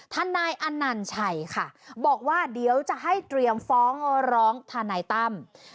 นายอนัญชัยค่ะบอกว่าเดี๋ยวจะให้เตรียมฟ้องร้องทนายตั้ม